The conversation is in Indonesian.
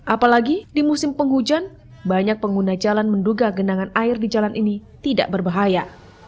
apalagi di musim penghujan banyak pengguna jalan menduga genangan air di jalan ini tidak berbahaya